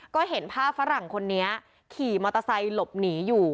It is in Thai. ก็เห็นภาพฝรั่งคนนี้ขี่มอเตอร์ไซค์หลบหนีอยู่